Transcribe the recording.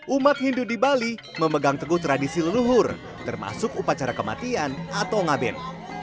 umat hindu di bali memegang teguh tradisi leluhur termasuk upacara kematian atau ngaben